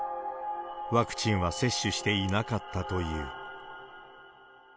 ワクチンは接種していなかったという。